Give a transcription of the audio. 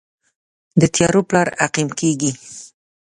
د تیارو پلار عقیم کیږي